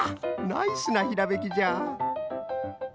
ナイスなひらめきじゃ